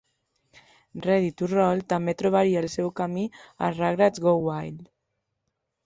"Ready to Roll" també trobaria el seu camí al "Rugrats Go Wild!"